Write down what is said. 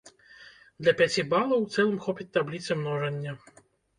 Для пяці балаў у цэлым хопіць табліцы множання.